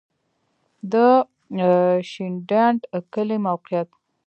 د شینډنډ کلی موقعیت